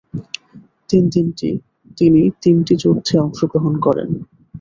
তিনি তিনটি যুদ্ধে অংশগ্রহণ করেন।